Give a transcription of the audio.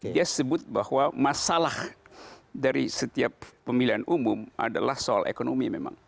dia sebut bahwa masalah dari setiap pemilihan umum adalah soal ekonomi memang